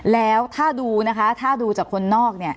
แล้วถ้าดูนะคะถ้าดูจากคนนอกเนี่ย